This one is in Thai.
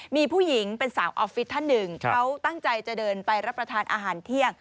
มีผู้หญิงเป็นสาวออฟฟิศท่านหนึ่งเขาตั้งใจจะเดินไปรับประทานอาหารเที่ยง